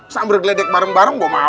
sambil gledek bareng bareng gue mau